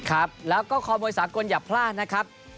ครับแล้วก็คอมวยสากลอย่าพลาดนะครับ